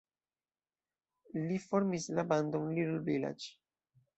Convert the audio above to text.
Li formis la bandon Little Village.